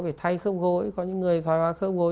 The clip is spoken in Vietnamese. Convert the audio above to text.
phải thay khớp gối có những người thói hóa khớp gối